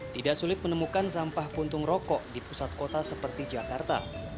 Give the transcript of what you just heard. tidak sulit menemukan sampah puntung rokok di pusat kota seperti jakarta